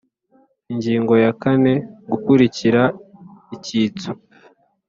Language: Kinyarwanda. Ingingo ya kane Gukurikirana icyitso